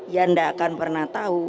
yang enggak akan pernah tahu